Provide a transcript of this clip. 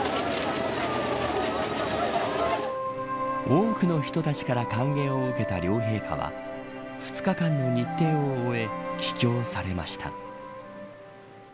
多くの人たちから歓迎を受けた両陛下は２日間の日程を終え帰京されました。